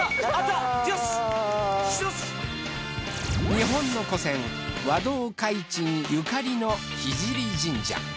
日本の古銭和同開珎ゆかりの聖神社。